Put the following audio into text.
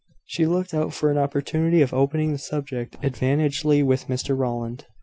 She looked out for an opportunity of opening the subject advantageously with Mr Rowland.